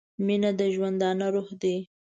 • مینه د ژوندانه روح دی.